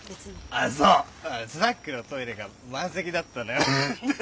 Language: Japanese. ああそうスナックのトイレが満席だったのよフフフ。